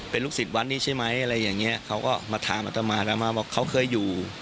เป็นลูกศิษย์วัดนี้ใช่ไหมอะไรอย่างเงี้ยเขาก็มาถามอัตมาแล้วมาบอกเขาเคยอยู่